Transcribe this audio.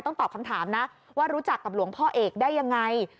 ตอบคำถามนะว่ารู้จักกับหลวงพ่อเอกได้ยังไง